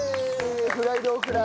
フライドオクラ！